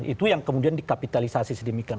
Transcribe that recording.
itu yang kemudian dikapitalisasi sedemikian